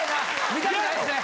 見たくないですね。